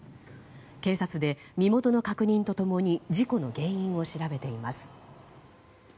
警察で身元の確認と共に事故の原因を調べています。